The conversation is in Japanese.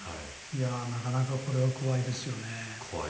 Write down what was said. なかなか怖いですよね。